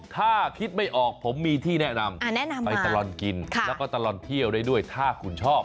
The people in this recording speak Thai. ถ้าคิดไม่ออกผมมีที่แนะนำแนะนำไปตลอดกินแล้วก็ตลอดเที่ยวได้ด้วยถ้าคุณชอบ